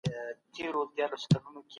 ديني مدرسو په ټولنه واک درلود.